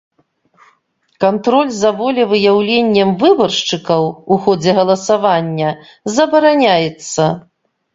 Кантроль за волевыяўленнем выбаршчыкаў у ходзе галасавання забараняецца.